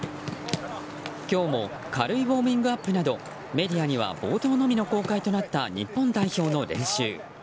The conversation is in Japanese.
今日も軽いウォーミングアップなどメディアには冒頭のみの公開となった日本代表の練習。